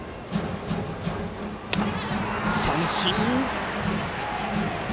三振！